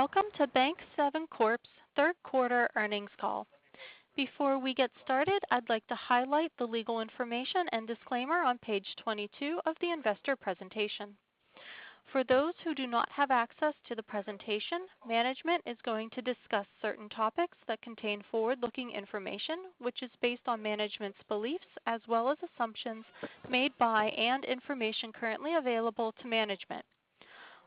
Welcome to Bank7 Corp's third quarter earnings call. Before we get started, I'd like to highlight the legal information and disclaimer on page 22 of the investor presentation. For those who do not have access to the presentation, management is going to discuss certain topics that contain forward-looking information, which is based on management's beliefs, as well as assumptions made by and information currently available to management.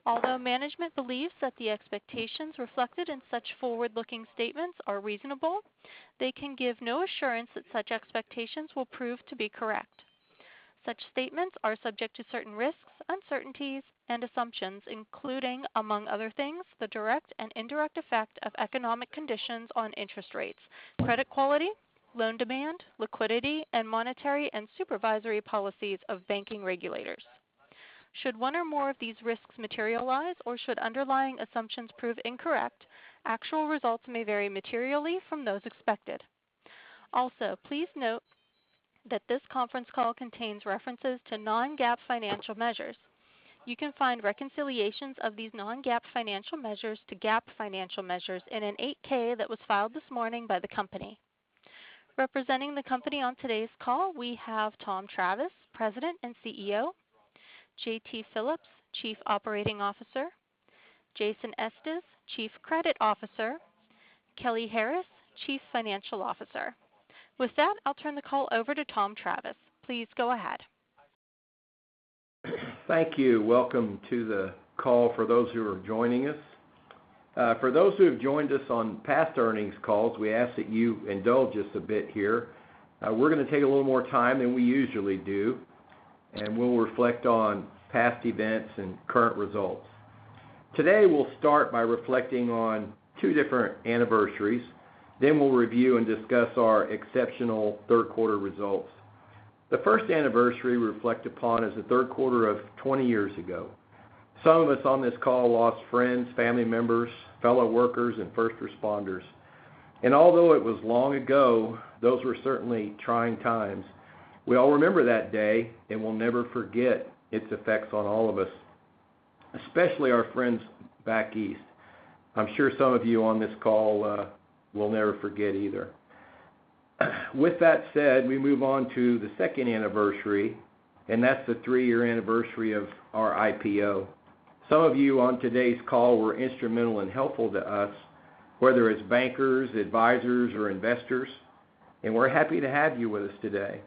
Although management believes that the expectations reflected in such forward-looking statements are reasonable, they can give no assurance that such expectations will prove to be correct. Such statements are subject to certain risks, uncertainties, and assumptions, including, among other things, the direct and indirect effect of economic conditions on interest rates, credit quality, loan demand, liquidity, and monetary and supervisory policies of banking regulators. Should one or more of these risks materialize or should underlying assumptions prove incorrect, actual results may vary materially from those expected. Also, please note that this conference call contains references to non-GAAP financial measures. You can find reconciliations of these non-GAAP financial measures to GAAP financial measures in an 8-K that was filed this morning by the company. Representing the company on today's call, we have Tom Travis, President and CEO, JT Phillips, Chief Operating Officer, Jason Estes, Chief Credit Officer, Kelly Harris, Chief Financial Officer. With that, I'll turn the call over to Tom Travis. Please go ahead. Thank you. Welcome to the call, for those who are joining us. For those who have joined us on past earnings calls, we ask that you indulge us a bit here. We're going to take a little more time than we usually do, and we'll reflect on past events and current results. Today, we'll start by reflecting on two different anniversaries. We'll review and discuss our exceptional third quarter results. The first anniversary we reflect upon is the third quarter of 20 years ago. Some of us on this call lost friends, family members, fellow workers, and first responders. Although it was long ago, those were certainly trying times. We all remember that day, and we'll never forget its effects on all of us, especially our friends back east. I'm sure some of you on this call will never forget either. With that said, we move on to the second anniversary, that's the three-year anniversary of our IPO. Some of you on today's call were instrumental and helpful to us, whether as bankers, advisors, or investors, we're happy to have you with us today.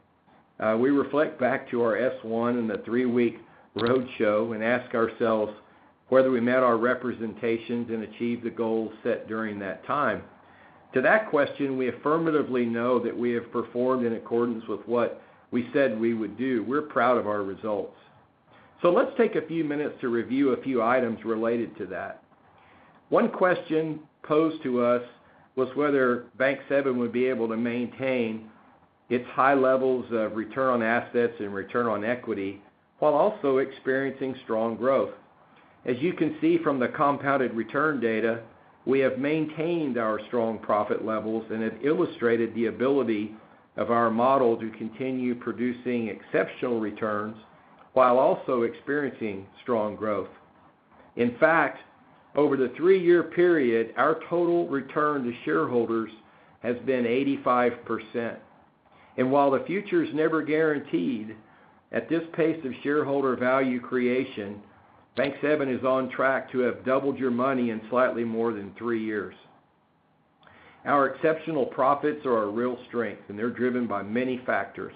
We reflect back to our S1 and the three-week roadshow and ask ourselves whether we met our representations and achieved the goals set during that time. To that question, we affirmatively know that we have performed in accordance with what we said we would do. We're proud of our results. Let's take a few minutes to review a few items related to that. One question posed to us was whether Bank7 would be able to maintain its high levels of return on assets and return on equity while also experiencing strong growth. As you can see from the compounded return data, we have maintained our strong profit levels and have illustrated the ability of our model to continue producing exceptional returns while also experiencing strong growth. In fact, over the three-year period, our total return to shareholders has been 85%. While the future's never guaranteed, at this pace of shareholder value creation, Bank7 is on track to have doubled your money in slightly more than three years. Our exceptional profits are our real strength, and they're driven by many factors,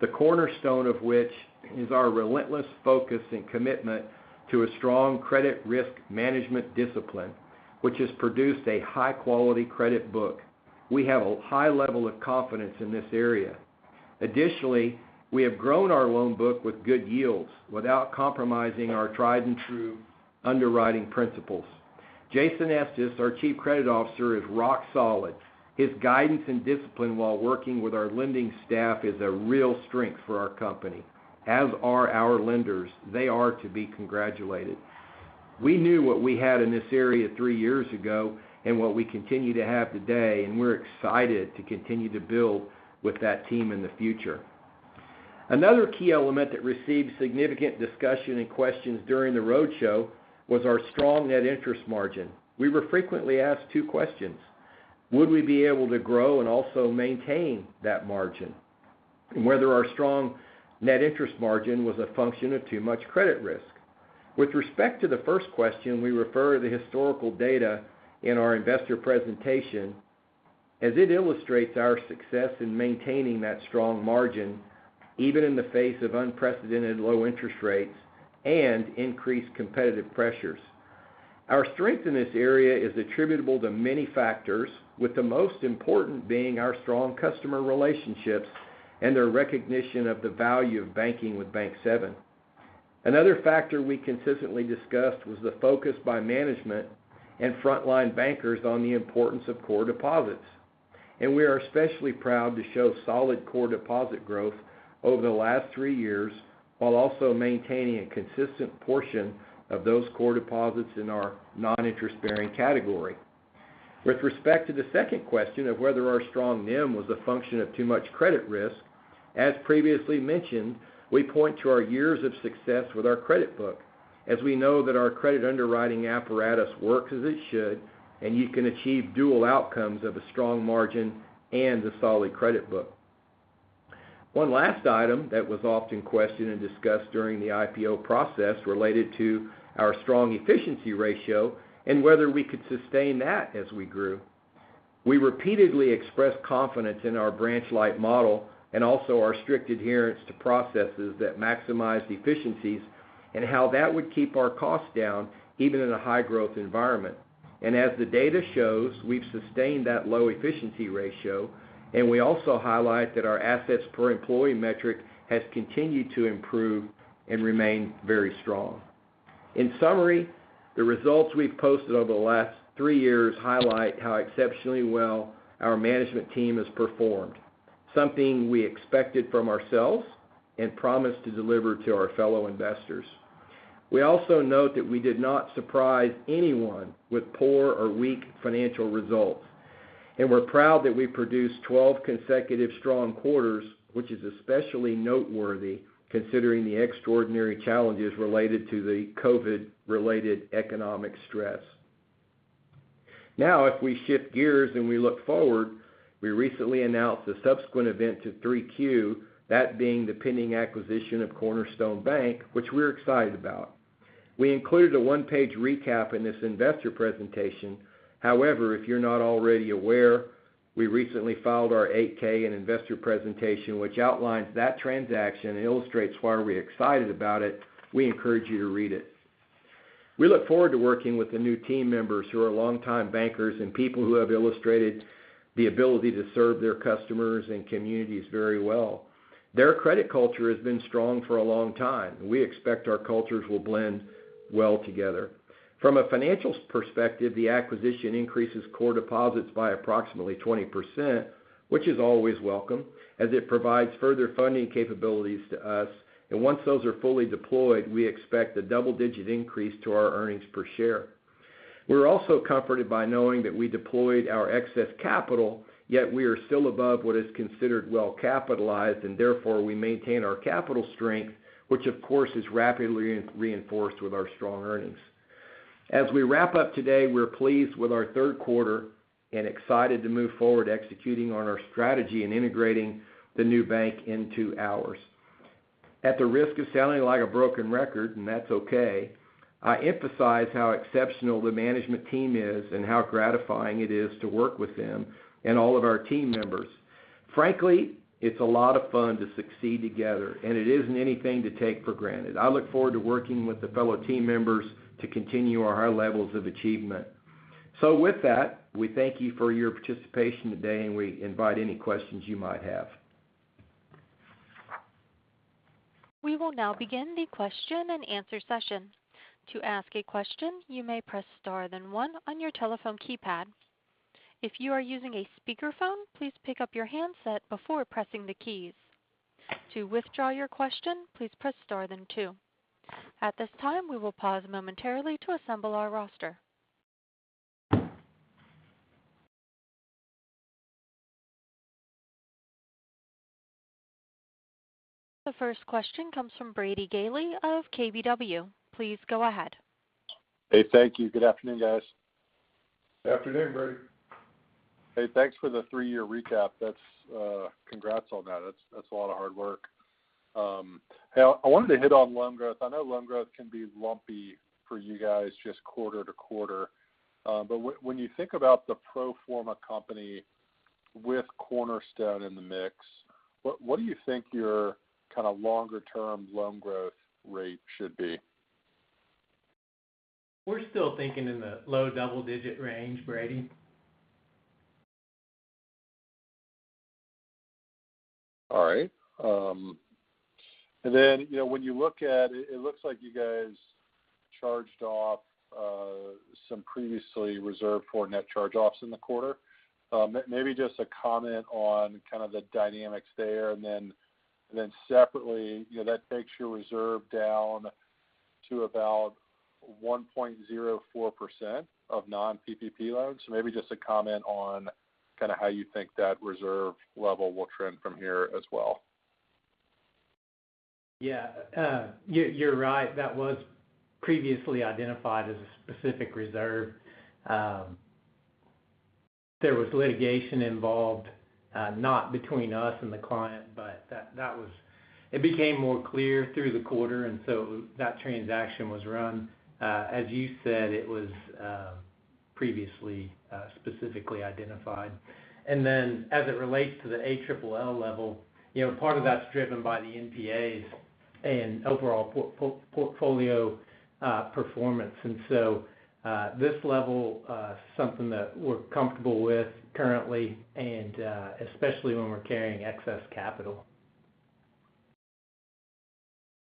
the cornerstone of which is our relentless focus and commitment to a strong credit risk management discipline, which has produced a high-quality credit book. We have a high level of confidence in this area. Additionally, we have grown our loan book with good yields without compromising our tried-and-true underwriting principles. Jason Estes, our Chief Credit Officer, is rock solid. His guidance and discipline while working with our lending staff is a real strength for our company, as are our lenders. They are to be congratulated. We knew what we had in this area three years ago and what we continue to have today, we're excited to continue to build with that team in the future. Another key element that received significant discussion and questions during the roadshow was our strong net interest margin. We were frequently asked two questions: Would we be able to grow and also maintain that margin? Whether our strong net interest margin was a function of too much credit risk. With respect to the first question, we refer to the historical data in our investor presentation as it illustrates our success in maintaining that strong margin, even in the face of unprecedented low interest rates and increased competitive pressures. Our strength in this area is attributable to many factors, with the most important being our strong customer relationships and their recognition of the value of banking with Bank7. Another factor we consistently discussed was the focus by management and frontline bankers on the importance of core deposits, and we are especially proud to show solid core deposit growth over the last three years while also maintaining a consistent portion of those core deposits in our non-interest-bearing category. With respect to the second question of whether our strong NIM was a function of too much credit risk, as previously mentioned, we point to our years of success with our credit book, as we know that our credit underwriting apparatus works as it should, and you can achieve dual outcomes of a strong margin and a solid credit book. One last item that was often questioned and discussed during the IPO process related to our strong efficiency ratio and whether we could sustain that as we grew. We repeatedly expressed confidence in our branch-light model and also our strict adherence to processes that maximize efficiencies and how that would keep our costs down, even in a high-growth environment. As the data shows, we've sustained that low efficiency ratio, and we also highlight that our assets per employee metric has continued to improve and remain very strong. In summary, the results we've posted over the last three years highlight how exceptionally well our management team has performed, something we expected from ourselves and promised to deliver to our fellow investors. We also note that we did not surprise anyone with poor or weak financial results. We're proud that we produced 12 consecutive strong quarters, which is especially noteworthy considering the extraordinary challenges related to the COVID-related economic stress. If we shift gears and we look forward, we recently announced a subsequent event to 3Q, that being the pending acquisition of Cornerstone Bank, which we're excited about. We included a one-page recap in this investor presentation. However, if you're not already aware, we recently filed our 8-K in investor presentation, which outlines that transaction and illustrates why we're excited about it. We encourage you to read it. We look forward to working with the new team members who are longtime bankers and people who have illustrated the ability to serve their customers and communities very well. Their credit culture has been strong for a long time. We expect our cultures will blend well together. From a financial perspective, the acquisition increases core deposits by approximately 20%, which is always welcome, as it provides further funding capabilities to us. Once those are fully deployed, we expect a double-digit increase to our earnings per share. We're also comforted by knowing that we deployed our excess capital, yet we are still above what is considered well-capitalized, and therefore, we maintain our capital strength, which of course, is rapidly reinforced with our strong earnings. As we wrap up today, we're pleased with our third quarter and excited to move forward executing on our strategy and integrating the new bank into ours. At the risk of sounding like a broken record, and that's okay, I emphasize how exceptional the management team is and how gratifying it is to work with them and all of our team members. Frankly, it's a lot of fun to succeed together, and it isn't anything to take for granted. I look forward to working with the fellow team members to continue our high levels of achievement. With that, we thank you for your participation today, and we invite any questions you might have. We will now begin the question and answer session. To ask a question, you may press star then one on your telephone keypad. If you are using a speakerphone, please pick up your handset before pressing the keys. To withdraw your question, please press star then two. At this time, we will pause momentarily to assemble our roster. The first question comes from Brady Gailey of KBW. Please go ahead. Hey, thank you. Good afternoon, guys. Afternoon, Brady. Hey, thanks for the three-year recap. Congrats on that. That's a lot of hard work. I wanted to hit on loan growth. I know loan growth can be lumpy for you guys just quarter to quarter. When you think about the pro forma company with Cornerstone in the mix, what do you think your kind of longer-term loan growth rate should be? We're still thinking in the low double-digit range, Brady. All right. When you look at it looks like you guys charged off some previously reserved for net charge-offs in the quarter. Maybe just a comment on kind of the dynamics there. Separately, that takes your reserve down to about 1.04% of non-PPP loans. Maybe just a comment on kind of how you think that reserve level will trend from here as well. Yeah. You're right. That was previously identified as a specific reserve. There was litigation involved, not between us and the client, but it became more clear through the quarter, and so that transaction was run. As you said, it was previously specifically identified. As it relates to the ALL level, part of that's driven by the NPAs and overall portfolio performance. This level, something that we're comfortable with currently, and especially when we're carrying excess capital.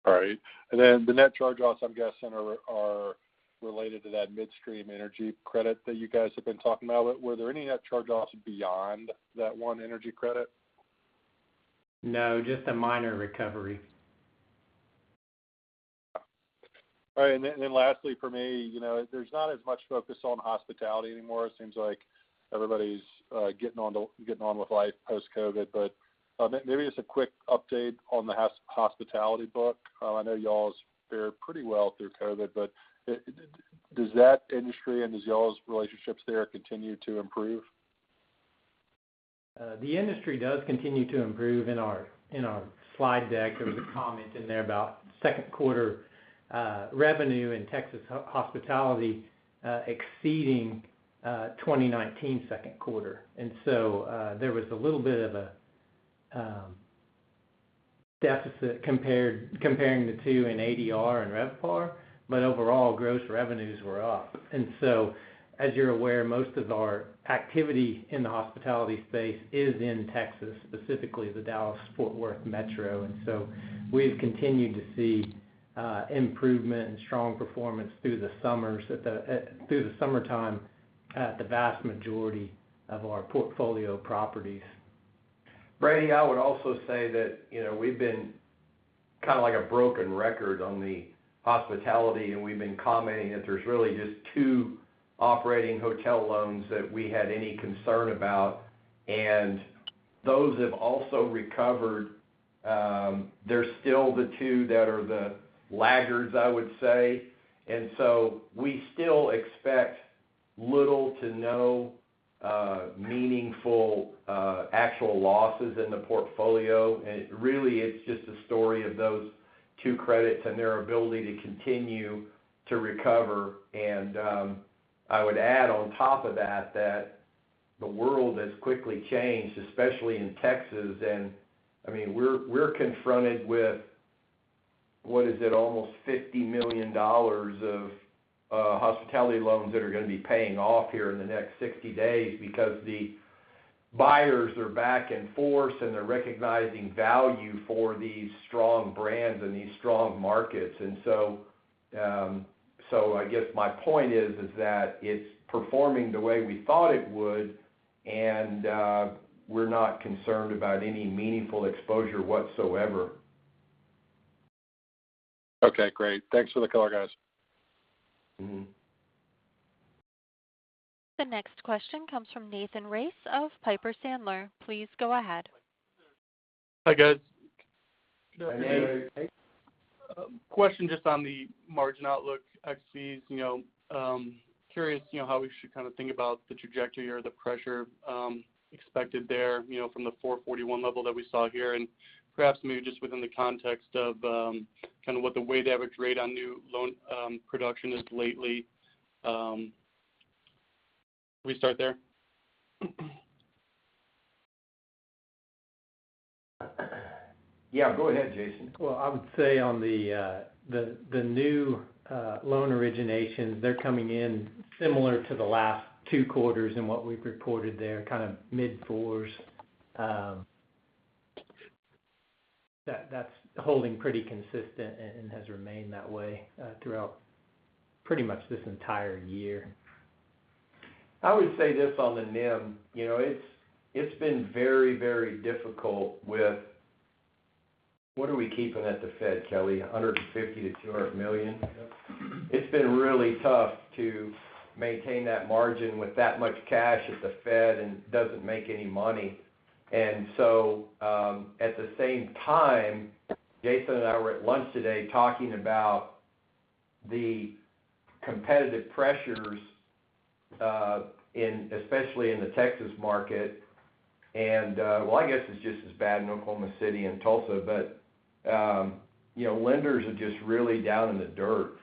All right. The net charge-offs, I'm guessing, are related to that midstream energy credit that you guys have been talking about. Were there any net charge-offs beyond that one energy credit? No, just a minor recovery. Lastly for me, there's not as much focus on hospitality anymore. It seems like everybody's getting on with life post-COVID. Maybe just a quick update on the hospitality book. I know you all fared pretty well through COVID, but does that industry and does you all's relationships there continue to improve? The industry does continue to improve. In our slide deck, there was a comment in there about second quarter revenue in Texas hospitality exceeding 2019 second quarter. There was a little bit of a deficit comparing the two in ADR and RevPAR, but overall, gross revenues were up. As you're aware, most of our activity in the hospitality space is in Texas, specifically the Dallas-Fort Worth metro. We've continued to see improvement and strong performance through the summertime at the vast majority of our portfolio properties. Brady, I would also say that we've been kind of like a broken record on the hospitality. We've been commenting that there's really just two operating hotel loans that we had any concern about, and those have also recovered. They're still the two that are the laggards, I would say. We still expect little to no meaningful actual losses in the portfolio. Really, it's just a story of those two credits and their ability to continue to recover. I would add on top of that the world has quickly changed, especially in Texas, and we're confronted with, what is it, almost $50 million of hospitality loans that are going to be paying off here in the next 60 days because the buyers are back in force and they're recognizing value for these strong brands and these strong markets. I guess my point is that it's performing the way we thought it would, and we're not concerned about any meaningful exposure whatsoever. Okay, great. Thanks for the color, guys. The next question comes from Nathan Race of Piper Sandler. Please go ahead. Hi, guys. Hey, Nate. Hey. Question just on the margin outlook ex-PPP. Curious how we should kind of think about the trajectory or the pressure expected there from the 441 level that we saw here, and perhaps maybe just within the context of kind of what the weighted average rate on new loan production is lately. We start there? Yeah, go ahead, Jason. Well, I would say on the new loan originations, they're coming in similar to the last two quarters in what we've reported there, kind of mid fours. That's holding pretty consistent and has remained that way throughout pretty much this entire year. I would say this on the NIM. It's been very difficult with-- what are we keeping at the Fed, Kelly, $150 million-$200 million? Yep. It's been really tough to maintain that margin with that much cash at the Fed, and doesn't make any money. At the same time, Jason and I were at lunch today talking about the competitive pressures, especially in the Texas market, and, well, I guess it's just as bad in Oklahoma City and Tulsa, but lenders are just really down in the dirt.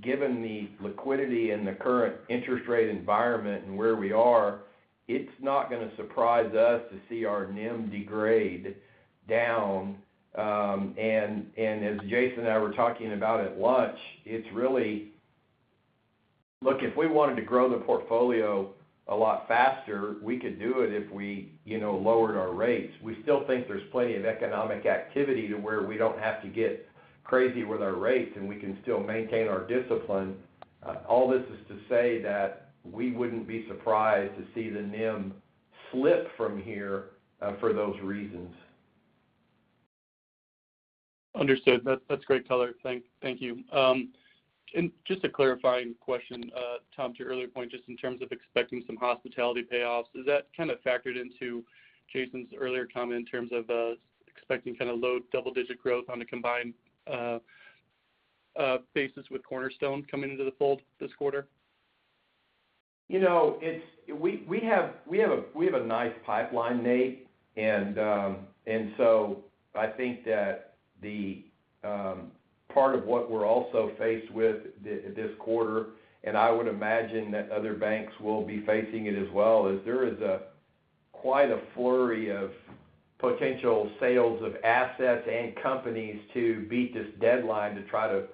Given the liquidity and the current interest rate environment and where we are, it's not going to surprise us to see our NIM degrade down. As Jason and I were talking about at lunch, look, if we wanted to grow the portfolio a lot faster, we could do it if we lowered our rates. We still think there's plenty of economic activity to where we don't have to get crazy with our rates, and we can still maintain our discipline. All this is to say that we wouldn't be surprised to see the NIM slip from here for those reasons. Understood. That's great color. Thank you. Just a clarifying question, Tom, to your earlier point, just in terms of expecting some hospitality payoffs. Is that kind of factored into Jason's earlier comment in terms of expecting low double-digit growth on a combined basis with Cornerstone coming into the fold this quarter? We have a nice pipeline, Nate. I think that the part of what we're also faced with this quarter, and I would imagine that other banks will be facing it as well, is there is quite a flurry of potential sales of assets and companies to beat this deadline to try to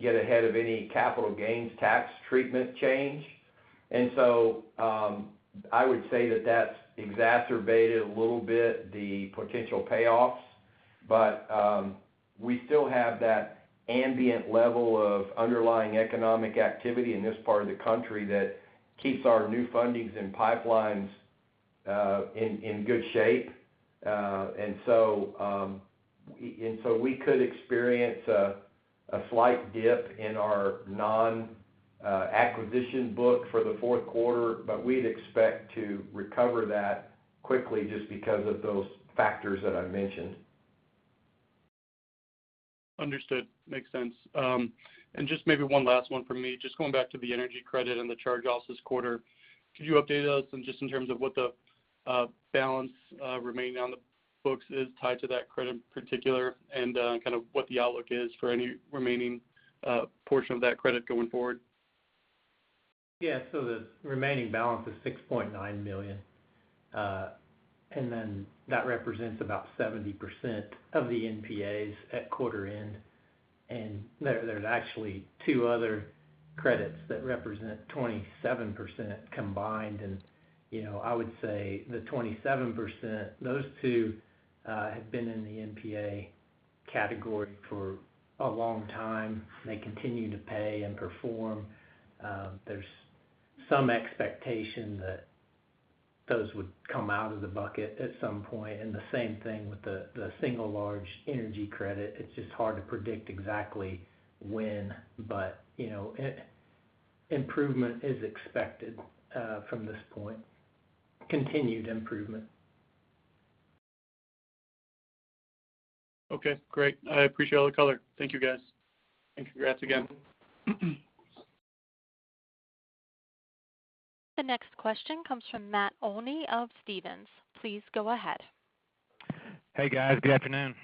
get ahead of any capital gains tax treatment change. I would say that that's exacerbated a little bit the potential payoffs. We still have that ambient level of underlying economic activity in this part of the country that keeps our new fundings and pipelines in good shape. We could experience a slight dip in our non-acquisition book for the fourth quarter, but we'd expect to recover that quickly just because of those factors that I mentioned. Understood. Makes sense. Just maybe one last one from me, just going back to the energy credit and the charge-offs this quarter, could you update us in just in terms of what the balance remaining on the books is tied to that credit particular and kind of what the outlook is for any remaining portion of that credit going forward? Yeah. The remaining balance is $6.9 million. That represents about 70% of the NPAs at quarter end. There's actually two other credits that represent 27% combined. I would say the 27%, those two have been in the NPA category for a long time. They continue to pay and perform. There's some expectation that those would come out of the bucket at some point, and the same thing with the single large energy credit. It's just hard to predict exactly when, but improvement is expected from this point. Continued improvement. Okay, great. I appreciate all the color. Thank you, guys. Congrats again. The next question comes from Matt Olney of Stephens. Please go ahead. Hey, guys. Good afternoon.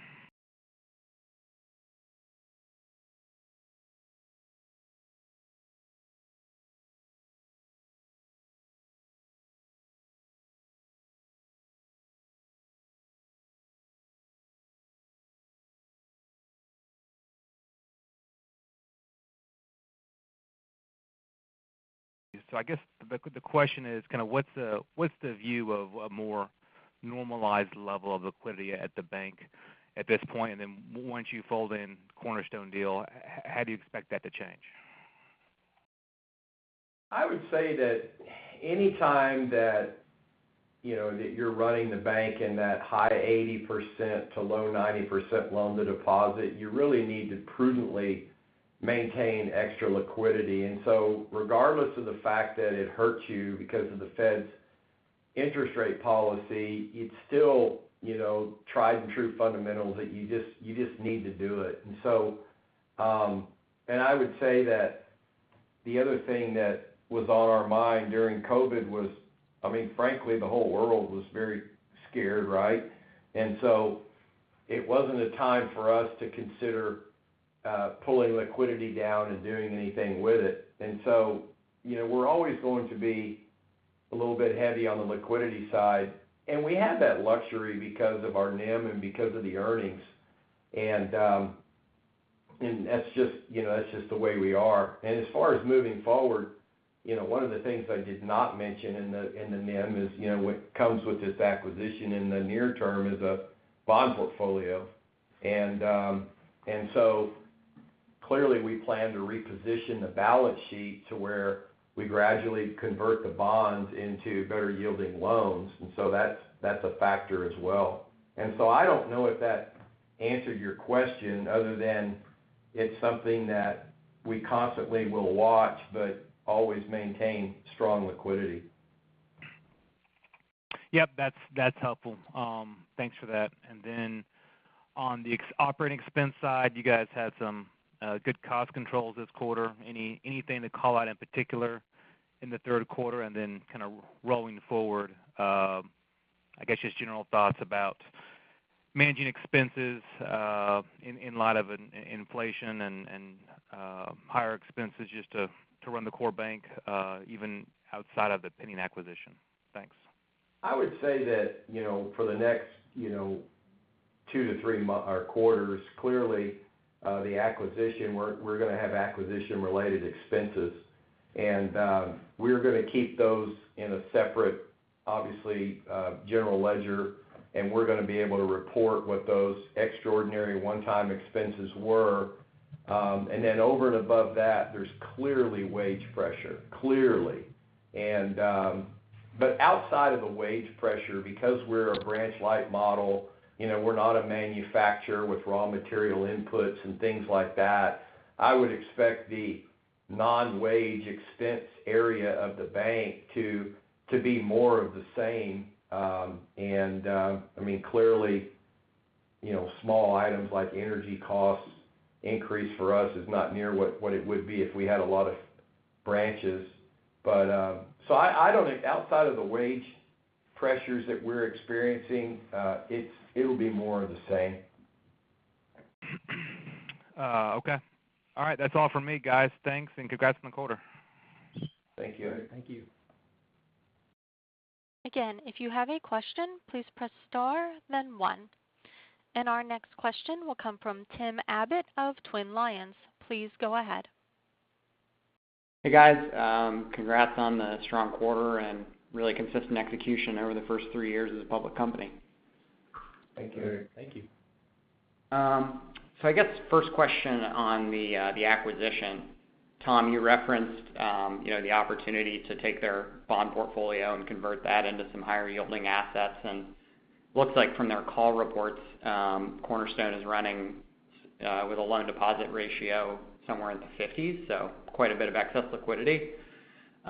I guess the question is kind of what's the view of a more normalized level of liquidity at the bank at this point? Then once you fold in Cornerstone deal, how do you expect that to change? I would say that anytime that you're running the bank in that high 80%-low 90% loan-to-deposit, you really need to prudently maintain extra liquidity. Regardless of the fact that it hurts you because of the Fed's interest rate policy, it's still tried and true fundamentals that you just need to do it. I would say that the other thing that was on our mind during COVID was, frankly, the whole world was very scared, right? It wasn't a time for us to consider pulling liquidity down and doing anything with it. We're always going to be a little bit heavy on the liquidity side, and we have that luxury because of our NIM and because of the earnings. That's just the way we are. As far as moving forward, one of the things I did not mention in the NIM is what comes with this acquisition in the near term is a bond portfolio. Clearly, we plan to reposition the balance sheet to where we gradually convert the bonds into better-yielding loans. That's a factor as well. I don't know if that answered your question other than it's something that we constantly will watch but always maintain strong liquidity. Yep. That's helpful. Thanks for that. On the operating expense side, you guys had some good cost controls this quarter. Anything to call out in particular in the third quarter? Kind of rolling forward, I guess, just general thoughts about managing expenses in light of inflation and higher expenses just to run the core bank even outside of the Cornerstone acquisition. Thanks. I would say that for the next two to three quarters, clearly, the acquisition, we're going to have acquisition-related expenses. We're going to keep those in a separate, obviously, general ledger, we're going to be able to report what those extraordinary one-time expenses were. Over and above that, there's clearly wage pressure. Clearly. Outside of the wage pressure, because we're a branch-light model, we're not a manufacturer with raw material inputs and things like that, I would expect the non-wage expense area of the bank to be more of the same. Clearly, small items like energy costs increase for us is not near what it would be if we had a lot of branches. I don't think outside of the wage pressures that we're experiencing, it'll be more of the same. Okay. All right. That's all from me, guys. Thanks, and congrats on the quarter. Thank you. Thank you. If you have a question, please press star then one. Our next question will come from Tim Abbott of Twin Lions. Please go ahead. Hey, guys. Congrats on the strong quarter and really consistent execution over the first three years as a public company. Thank you. Thank you. I guess first question on the acquisition. Tom, you referenced the opportunity to take their bond portfolio and convert that into some higher-yielding assets, and looks like from their call reports, Cornerstone is running with a loan deposit ratio somewhere in the 50s, so quite a bit of excess liquidity.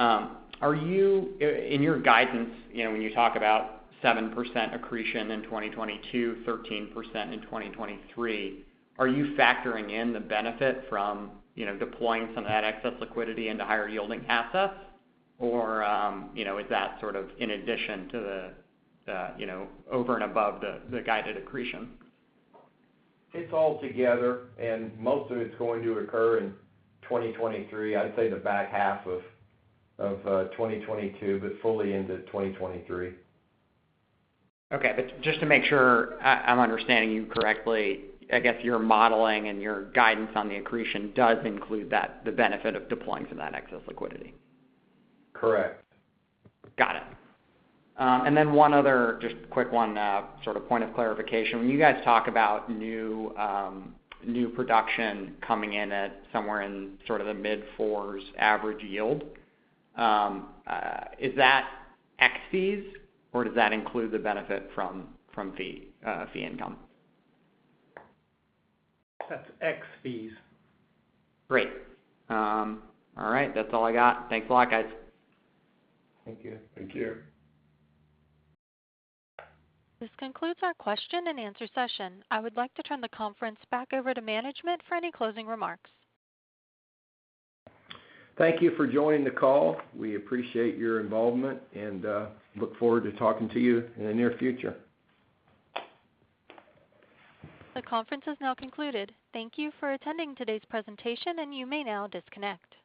In your guidance, when you talk about 7% accretion in 2022, 13% in 2023, are you factoring in the benefit from deploying some of that excess liquidity into higher-yielding assets? Is that sort of in addition to the over and above the guided accretion? It's all together, and most of it's going to occur in 2023. I'd say the back half of 2022, but fully into 2023. Okay. Just to make sure I'm understanding you correctly, I guess your modeling and your guidance on the accretion does include the benefit of deploying some of that excess liquidity. Correct. Got it. One other just quick one sort of point of clarification. When you guys talk about new production coming in at somewhere in sort of the mid-fours average yield, is that ex fees or does that include the benefit from fee income? That's ex fees. Great. All right. That's all I got. Thanks a lot, guys. Thank you. Thank you. This concludes our question and answer session. I would like to turn the conference back over to management for any closing remarks. Thank you for joining the call. We appreciate your involvement and look forward to talking to you in the near future. The conference has now concluded. Thank you for attending today's presentation, and you may now disconnect.